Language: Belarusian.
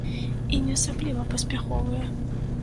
І не асабліва паспяховыя.